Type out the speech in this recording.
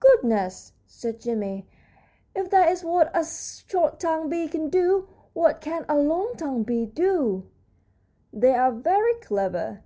"Goodness!" said Jimmie, "if that is what a short tongued bee can do, what can a long tongued bee do?" "They are very clever.